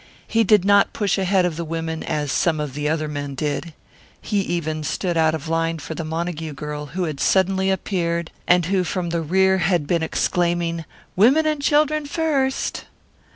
He did not push ahead of the women as some of the other men did. He even stood out of the line for the Montague girl who had suddenly appeared and who from the rear had been exclaiming: "Women and children first!"